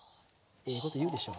ええこと言うでしょう。